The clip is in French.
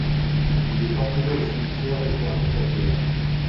Il est enterré au cimetière Eternitatea.